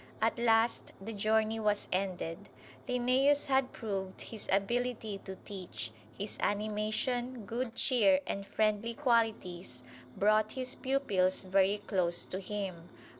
At last the journey was ended. Linnæus had proved his ability to teach his animation, good cheer and friendly qualities brought his pupils very close to him.